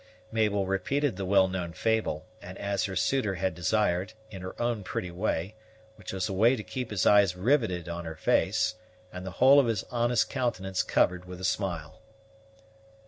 Mabel repeated the well known fable, and, as her suitor had desired, in her own pretty way, which was a way to keep his eyes riveted on her face, and the whole of his honest countenance covered with a smile.